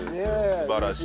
素晴らしい。